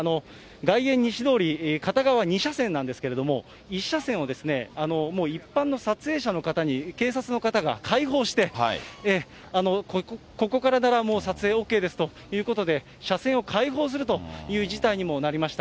外苑西通り、片側２車線なんですけれども、１車線を一般の撮影者の方に警察の方が開放して、ここからなら、もう撮影ＯＫですということで、車線を開放するという事態にもなりました。